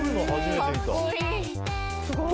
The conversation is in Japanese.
すごい。